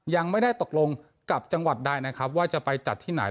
ยังไม่ได้ตกลงกับจังหวัดใดนะครับว่าจะไปจัดที่ไหน